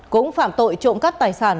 cũng phạm tội trộm cắt tài sản